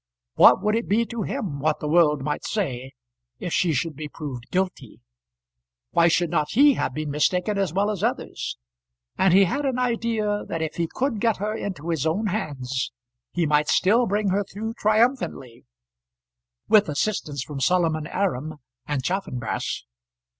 What would it be to him what the world might say, if she should be proved guilty? Why should not he have been mistaken as well as others? And he had an idea that if he could get her into his own hands he might still bring her through triumphantly, with assistance from Solomon Aram and Chaffanbrass.